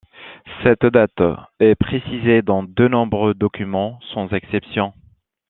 Cette date est précisée dans de nombreux documents, sans exception.